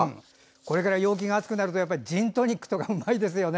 これから陽気が暑くなるとジントニックとかうまいですよね。